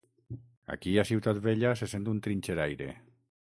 Aquí a Ciutat Vella se sent un trinxeraire.